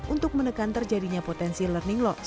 untuk menekan terjadinya potensi learning loss